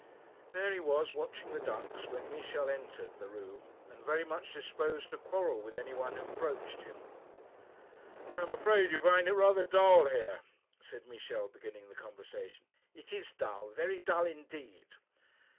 There he was, watching the ducks, when Michel entered the room, and very much disposed to quarrel with any one who approached him. 'I'm afraid you find it rather dull here,' said Michel, beginning the conversation. 'It is dull; very dull indeed.'